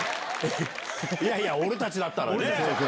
いやいや俺たちだったらね。